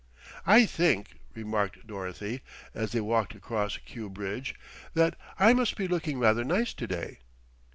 "I think," remarked Dorothy, as they walked across Kew Bridge, "that I must be looking rather nice to day.